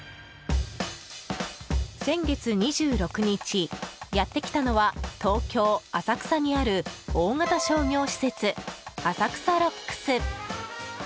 先月２６日、やってきたのは東京・浅草にある大型商業施設、浅草ＲＯＸ。